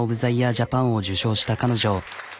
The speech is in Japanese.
ジャパンを受賞した彼女。